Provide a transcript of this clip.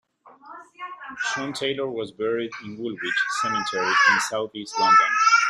John Taylor was buried in Woolwich cemetery in southeast London.